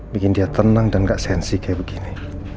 bikin dia tenang dan gak sensi kayak begini